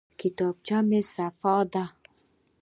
کتابچه مې صفا ده.